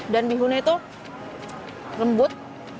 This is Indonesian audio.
dan bihunnya itu lembut